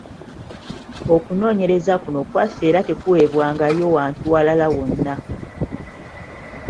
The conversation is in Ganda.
Okunoonyereza kuno kwaffe era tekuweebwangayo wantu walala wonna.